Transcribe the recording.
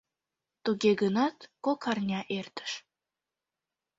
Туге гынат, кок арня эртыш.